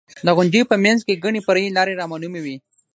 د غونډیو په منځ کې ګڼې فرعي لارې رامعلومې وې.